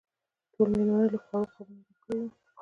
ټولو مېلمنو له خوړو قابونه ډک کړي وو.